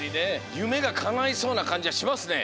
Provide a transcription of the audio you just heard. ゆめがかないそうなかんじがしますね。